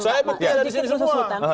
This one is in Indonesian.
saya buktinya ada di sini semua